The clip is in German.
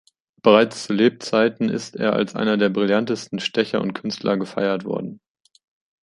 Bereits zu Lebzeiten ist er als einer der brillantesten Stecher und Künstler gefeiert worden.